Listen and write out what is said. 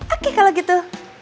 oke kalau gitu